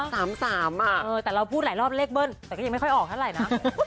แต่เราพูดหลายรอบเลขเบิ้ลแต่ก็ยังไม่ค่อยออกเท่าไหร่นะ